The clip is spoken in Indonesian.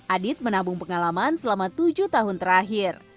adit menabung pengalaman selama tujuh tahun terakhir